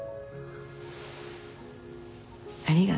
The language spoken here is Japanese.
ありがと。